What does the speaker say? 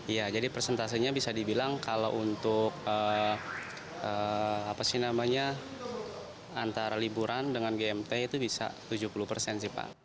ya jadi persentasenya bisa dibilang kalau untuk antara liburan dengan gmt itu bisa tujuh puluh persen sih pak